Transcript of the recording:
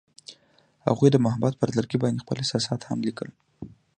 هغوی د محبت پر لرګي باندې خپل احساسات هم لیکل.